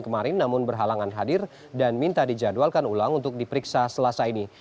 kemarin namun berhalangan hadir dan minta dijadwalkan ulang untuk diperiksa selasa ini